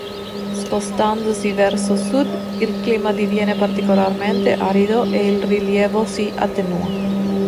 Spostandosi verso sud, il clima diviene particolarmente arido e il rilievo si attenua.